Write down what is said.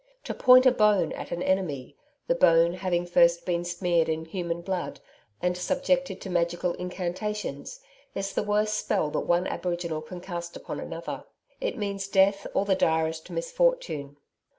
To 'point a bone' at an enemy the bone having first been smeared with human blood, and subjected to magical incantations is the worst spell that one aboriginal can cast upon another. It means death or the direst misfortune.